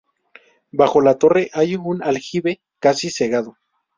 Bajo la torre hay un aljibe casi cegado.